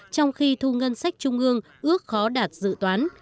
trong khi thu ngân sách trung ương ước khó đạt dự toán